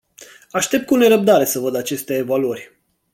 Aștept cu nerăbdare să văd aceste evaluări.